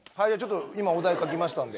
今お題書きましたんで。